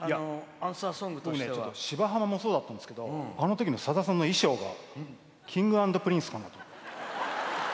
「芝浜」もそうだったんですけどあのときのさださんの衣装がＫｉｎｇ＆Ｐｒｉｎｃｅの。